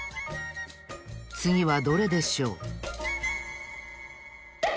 つぎはどれでしょう？